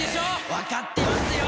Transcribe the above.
わかってますよ！